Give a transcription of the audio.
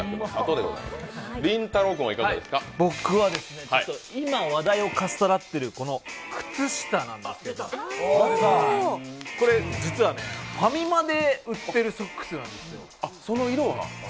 僕は今、話題をかっさらってる靴下なんですけど実はファミマで売ってるソックスなんですよ。